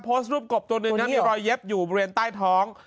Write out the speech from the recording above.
โพสต์รูปกบตัวหนึ่งนะมีรอยเย็บอยู่บริเวณใต้ท้อง